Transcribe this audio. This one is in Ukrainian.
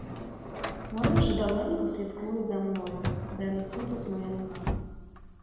Вони вже давненько слідкують за мною, де не ступить моя нога.